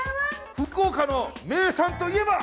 福岡の名産といえば？